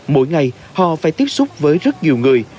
mỗi ngày họ phải tiếp xúc với rất nhiều người